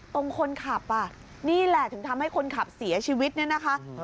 ตรงคนขับอ่ะนี่แหละถึงทำให้คนขับเสียชีวิตเนี่ยนะคะ